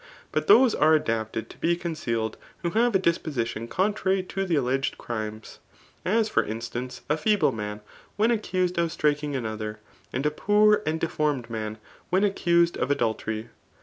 But those are adapted to be caor cealed, who have a disposition contrary to the alleged crimes i as for instance, a feeble man, when accused of strikmg another, and a poor and deformed man when ac» cus^ of adultery.